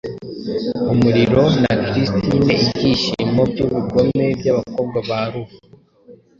umuriro na cistine Ibyishimo byubugome byabakobwa ba Luva,